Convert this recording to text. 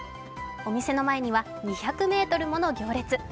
お店の前には２００ｍもの行列。